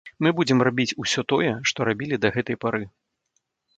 Мы будзем рабіць усё тое, што рабілі да гэтай пары.